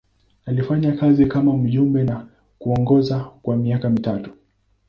Alifanya kazi kama mjumbe na kuongoza kwa miaka mitatu.